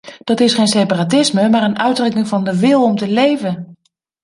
Dat is geen separatisme, maar een uitdrukking van de wil om te leven!